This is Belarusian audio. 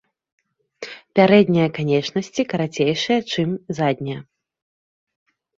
Пярэднія канечнасці карацейшыя чым заднія.